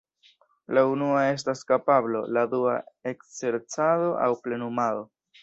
La unua estas kapablo, la dua ekzercado aŭ plenumado.